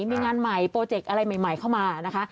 มีงานใหม่โปรเจกต์อะไรใหม่เข้ามานะคะ